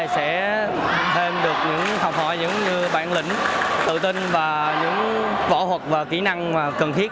sẽ thêm được những học hỏi những bản lĩnh tự tin và những võ thuật và kỹ năng cần thiết